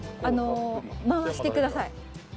あの回してください。